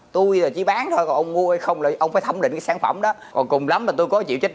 tôi là chỉ bán thôi và ông mua không lại ông phải thẩm định sản phẩm đó còn cùng lắm mà tôi có chịu trách